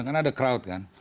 kan ada crowd kan